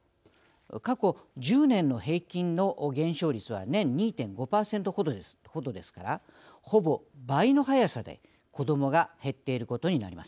過去１０年の平均の減少率は年２．５％程ですからほぼ倍の早さで子どもが減っていることになります。